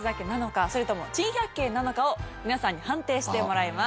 それとも珍百景なのかを皆さんに判定してもらいます。